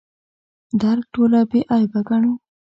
درک ټوله بې عیبه ګڼو.